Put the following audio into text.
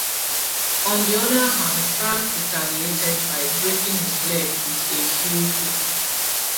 On the other hand, Frank retaliated by breaking his leg with a heel hook.